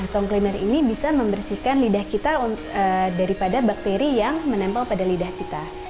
tongklimer ini bisa membersihkan lidah kita daripada bakteri yang menempel pada lidah kita